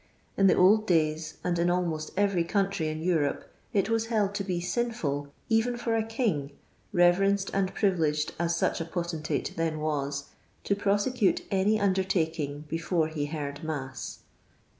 In the old days, and in almost every country in Europe, it was held to be sinful cvenfora king — reverenced and privileged as such a potentate then was — to prosecute any undertaking before he heard mass.